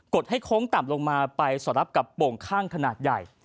ดให้โค้งต่ำลงมาไปสอดรับกับโป่งข้างขนาดใหญ่